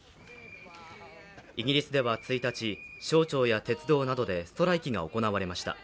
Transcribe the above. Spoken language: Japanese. イギリスでは１日、省庁や鉄道などでストライキが行われました。